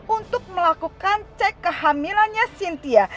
untuk melakukan cek kehamilannya cynthia